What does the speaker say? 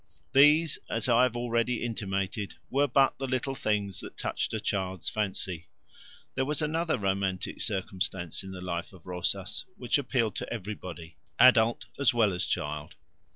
These, as I have already intimated, were but the little things that touched a child's fancy; there was another romantic circumstance in the life of Rosas which appealed to everybody, adult as well as child.